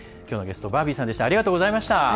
きょうのゲストバービーさんでした。